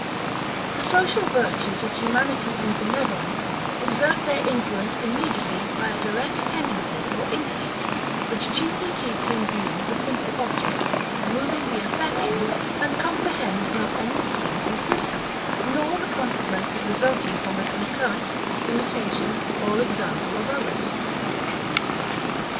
The social virtues of humanity and benevolence exert their influence immediately by a direct tendency or instinct, which chiefly keeps in view the simple object, moving the affections, and comprehends not any scheme or system, nor the consequences resulting from the concurrence, imitation, or example of others.